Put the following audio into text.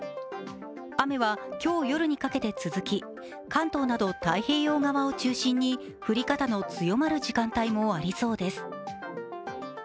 雨は今日夜にかけて続き、関東など太平洋側を中心に降り方の強まる時間帯もありそうです。